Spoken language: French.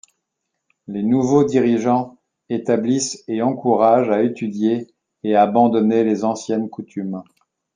Les nouveaux dirigeants établissent et encouragent à étudier et à abandonner les anciennes coutumes.